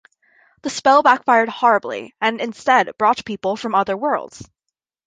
The spell backfired horribly, and instead brought people from other worlds.